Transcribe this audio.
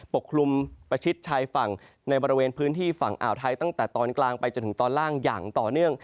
กลุ่มประชิดชายฝั่งในบริเวณพื้นที่ฝั่งอ่าวไทยตั้งแต่ตอนกลางไปจนถึงตอนล่างอย่างต่อเนื่อง